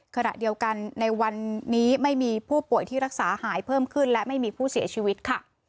ขณะเดียวกันในวันนี้ไม่มีผู้ป่วยที่รักษาหายเพิ่มขึ้นและไม่มีผู้เสียชีวิตค่ะ